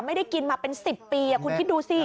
ไม่ได้กินมาเป็น๑๐ปีคุณคิดดูสิ